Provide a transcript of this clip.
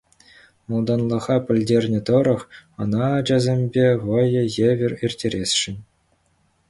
Малтанлӑха пӗлтернӗ тӑрӑх, ӑна ачасемпе вӑйӑ евӗр ирттересшӗн.